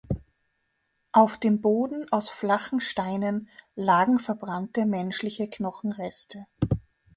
Auf dem Boden aus flachen Steinen lagen verbrannte menschliche Knochenreste.